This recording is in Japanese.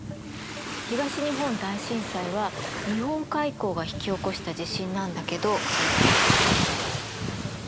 東日本大震災は日本海溝が引き起こした地震なんだけど。